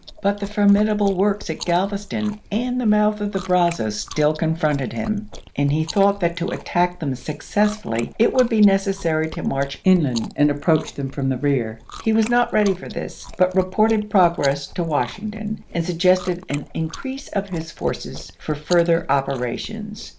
But the formidable works at Glalveston and the mouth of the Brazos still confronted him, and he thought that to attack them successfully it would be neces sary to march inland and approach them from the rear. He was not ready for this, but reported progi ess to Washington and suggested an increase of his forces for further operations.